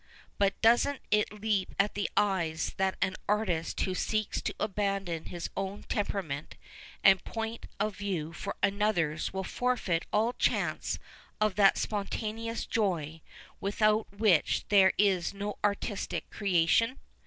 But doesn't it leap at the eyes that an artist who seeks to abandon his own temperament and point of view for another's will forfeit all chance of tiiat spontaneous joy without which there is no artistic creation